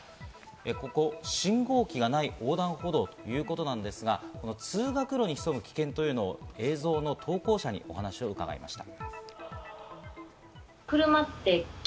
ここ信号機がない横断歩道ということなんですが、通学路に潜む危険というものを映像の投稿者に伺いました。